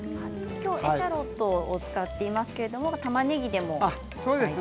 きょうはエシャロットを使っていますが、たまねぎでも大丈夫ですか。